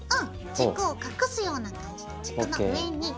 軸を隠すような感じで軸の上に。